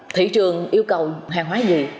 thị trường yêu cầu hàng hóa gì